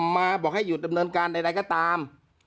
มาบอกให้หยุดดำเนินการใดก็ตาม